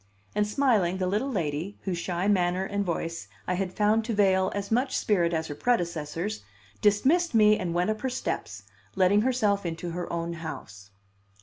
And smiling, the little lady, whose shy manner and voice I had found to veil as much spirit as her predecessor's, dismissed me and went up her steps, letting herself into her own house.